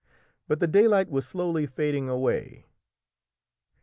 But the daylight was slowly fading away!